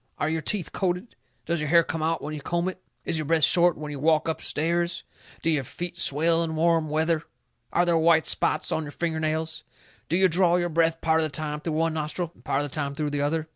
Are your teeth coated? Does your hair come out when you comb it? Is your breath short when you walk up stairs? Do your feet swell in warm weather? Are there white spots on your finger nails? Do you draw your breath part of the time through one nostril and part of the time through the other?